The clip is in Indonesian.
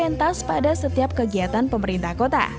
sebagai sebuah perusahaan yang berhasil menghasilkan kegiatan pemerintah kota